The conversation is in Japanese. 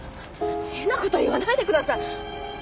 変な事言わないでください。